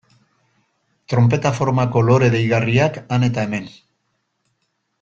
Tronpeta formako lore deigarriak han eta hemen.